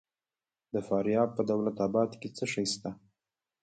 د فاریاب په دولت اباد کې څه شی شته؟